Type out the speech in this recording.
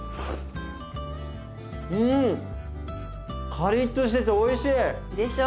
カリッとしてておいしい！でしょ。